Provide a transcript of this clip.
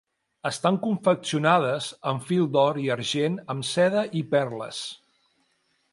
Estan confeccionades amb fil d'or i argent amb seda i perles.